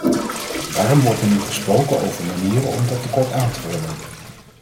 Daarom wordt er nu gesproken over manieren om dat tekort aan te vullen.